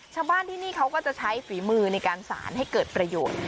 ชาวบ้านที่นี่เขาก็จะใช้ฝีมือในการสารให้เกิดประโยชน์